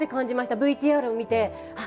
ＶＴＲを見てあっ